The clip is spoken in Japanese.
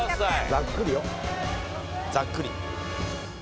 ざっくり。